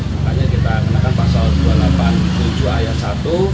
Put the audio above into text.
makanya kita kenakan pasal dua ratus delapan puluh tujuh ayat satu